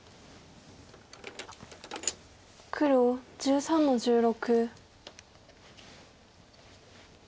黒１３の十六。